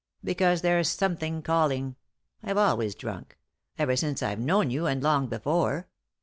"Because there's something calling. I've always drunk ; ever since I've known you, and long before.